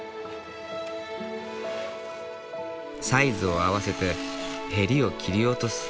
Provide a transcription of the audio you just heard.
サイズを合わせてヘリを切り落とす。